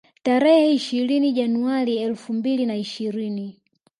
Tarehe ishirini Januari elfu mbili na ishirini